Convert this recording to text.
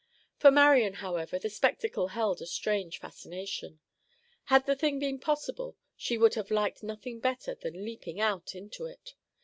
For Marian, however, the spectacle held a strange fascination. Had the thing been possible, she should have liked nothing better than leaping out into it.